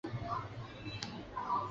去柔然迎文帝悼皇后郁久闾氏。